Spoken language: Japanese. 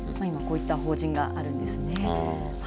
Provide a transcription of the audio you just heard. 今、こういった法人があるんですね。